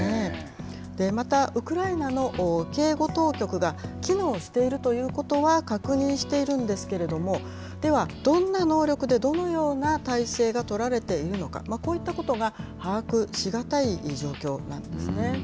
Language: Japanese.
また、ウクライナの警護当局が機能しているということは確認しているんですけれども、では、どんな能力で、どのような態勢が取られているのか、こういったことが把握しがたい状況なんですね。